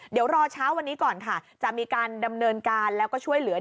เดี๋ยวรอเช้าวันนี้ก่อนค่ะจะมีการดำเนินการแล้วก็ช่วยเหลือ